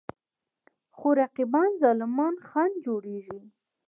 خو رقیبان ظالمان خنډ جوړېږي.